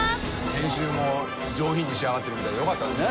埆犬上品に仕上がってるみたいで良かったですね。